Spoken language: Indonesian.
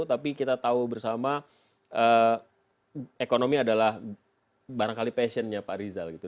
tapi kita tahu bersama ekonomi adalah barangkali passionnya pak rizal gitu